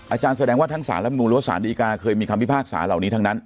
อาจารย์แสดงว่าทั้งศาลและบุญรับศาลดีกาเคยมีความพิพาคศาลเหล่านี้ทั้งนั้น